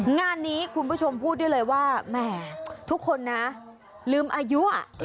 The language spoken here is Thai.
งานนี้คุณผู้ชมพูดได้เลยว่าแหมทุกคนนะลืมอายุ